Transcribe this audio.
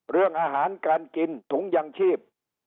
เรื่องอาหารการกินถุงยังชีพ